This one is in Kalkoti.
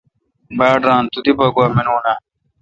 باڑ ران تو دی پا گوا مانون اؘ۔